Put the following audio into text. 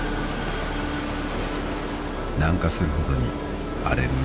［南下するほどに荒れる海］